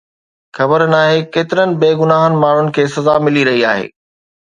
خبر ناهي ڪيترين بيگناهه ماڻهن کي سزا ملي رهي آهي